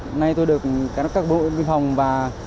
hôm nay tôi được các đội vi phòng và